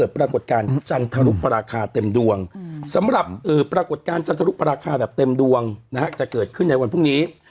ปรากฏการณ์จรรยุปราคาแบบเต็มดวงจะเกิดขึ้นในวันพรุ่งนี้